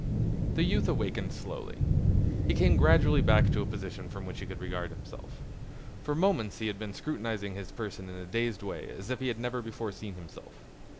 The youth awakened slowly. He came gradually back to a position from which he could regard himself. For moments he had been scrutinizing his person in a dazed way as if he had never before seen himself.